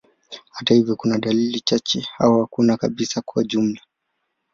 Hata hivyo, kuna dalili chache au hakuna kabisa kwa ujumla.